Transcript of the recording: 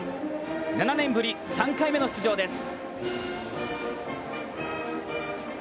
７年ぶり３回目の出場です。